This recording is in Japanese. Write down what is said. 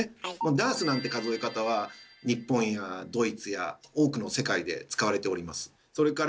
ダースなんて数え方は日本やドイツや多くの世界で使われております。